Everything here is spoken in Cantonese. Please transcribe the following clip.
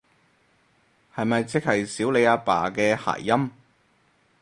係咪即係少理阿爸嘅諧音？